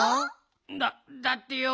だっだってよ